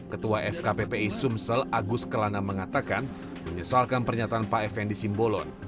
ketua fkppi sumsel agus kelana mengatakan menyesalkan pernyataan pak effendi simbolon